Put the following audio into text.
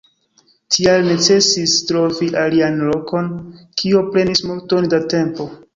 Tial necesis trovi alian lokon, kio prenis multon da tempo.